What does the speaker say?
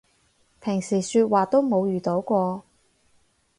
平時說話都冇遇到過